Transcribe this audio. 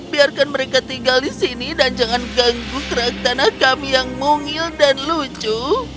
biarkan mereka tinggal di sini dan jangan mengganggu keraktanah kami yang mungil dan lucu